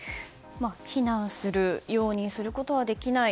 非難する容認することはできない。